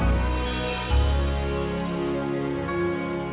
atau malam ini raihnya